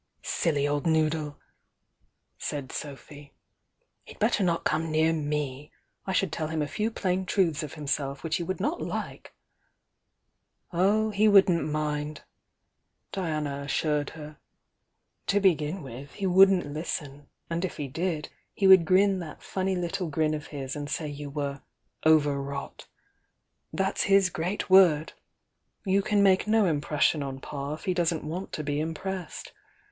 " "Silly old noodle!" said Sophy. "He'd better not come near me!— I should tell him a few plain truths of himself which he would not like!" "Oh, he wouldn't mind !" Diana assured her "To begin with, he wouldn't listen, and if he did, he would grin that funny httle grin of his and say you were over wrought.' That's his great word! You can make no impression on Pa if he doesn't want to be impressed.